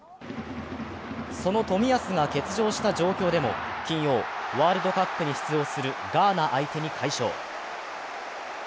その冨安が欠場した状況でも金曜ワールドカップに出場するガーナ相手に快勝。